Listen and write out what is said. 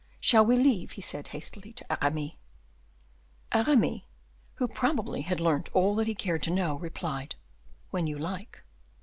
"Shall we leave?" he said, hastily, to Aramis. Aramis, who probably had learnt all that he cared to know, replied, "When you like."